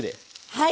はい。